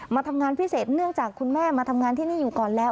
มาทำงานพิเศษเนื่องจากคุณแม่มาทำงานที่นี่อยู่ก่อนแล้ว